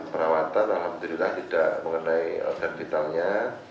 perawatan alhamdulillah tidak mengenai organ vitalnya